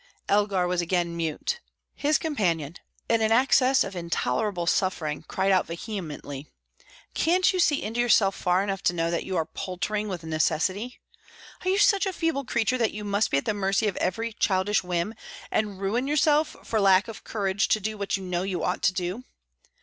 Elgar was again mute. His companion, in an access of intolerable suffering, cried out vehemently: "Can't you see into yourself far enough to know that you are paltering with necessity? Are you such a feeble creature that you must be at the mercy of every childish whim, and ruin yourself for lack of courage to do what you know you ought to do?